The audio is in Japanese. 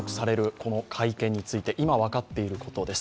この会見について今分かっていることです。